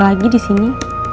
lagi di sini